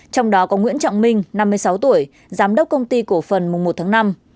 trong đó có nguyễn trọng minh năm mươi sáu tuổi giám đốc công ty cổ phần mùng một tháng năm